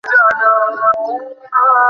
ভাবছি কেন আমি এত অল্প বয়সি মেয়ে বিয়ে করলাম।